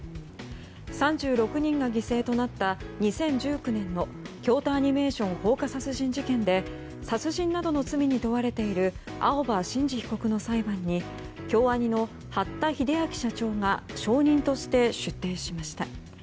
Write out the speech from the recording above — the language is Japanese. ３６人が犠牲となった２０１９年の京都アニメーション放火殺人事件で殺人などの罪に問われている青葉真司被告の裁判に京アニの八田英明社長が証人として出廷しました。